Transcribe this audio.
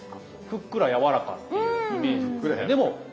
ふっくら柔らかっていうイメージですね。